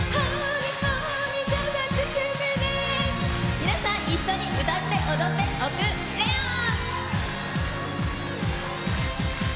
皆さん一緒に歌って踊っておくレオン！